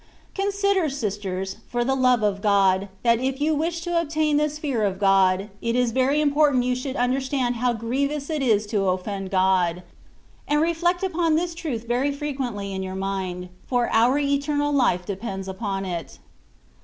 Consider, sisters, for the love of God, that if Ton wish to obtain this fear of God, it is Tenr im portant yon should understand how grieTOos it is to offend God ; and reflect wpon this trath reiy fireqnently in your mind, for oar Vernal life depends apon it.